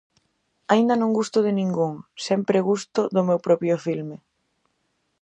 Aínda non gusto de ningún, sempre gusto do meu próximo filme.